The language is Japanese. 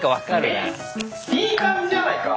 えっ⁉いい感じじゃないか？